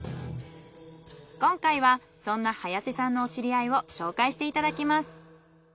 今回はそんな林さんのお知り合いを紹介していただきます。